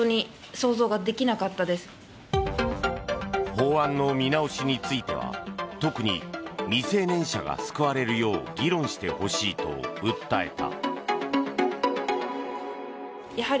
法案の見直しについては特に未成年者が救われるよう議論してほしいと訴えた。